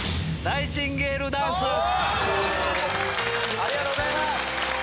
ありがとうございます！